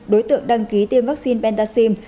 đối tượng đăng ký tiêm vaccine pentaxim